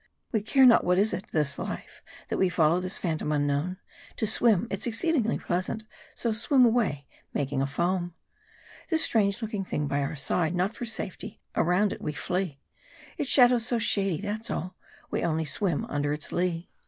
We care not what is it, this life That we follow, this phantom unknown : To swim, it's exceedingly pleasant, So swim away, making a foam. This strange looking thing by our side, Not for safety, around it we flee : Its shadow's so shady, that's all, We only swim under its lee.